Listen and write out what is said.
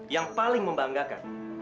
yang paling membanggakan